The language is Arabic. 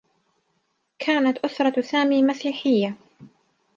كانت أسرة سامي مسيحيّة.